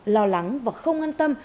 lo lắng và không an tâm